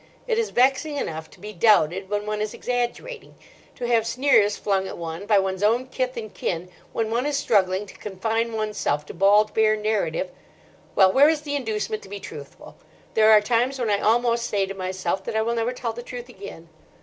It is vexing enough to be doubted when one is exaggerating; to have sneers flung at one by one's own kith and kin when one is struggling to confine oneself to bald, bare narrative—well, where is the inducement to be truthful? There are times when I almost say to myself that I will never tell the truth again.